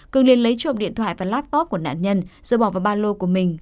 cường liền lấy trộm điện thoại và laptop của nạn nhân rồi bỏ vào ba lô của mình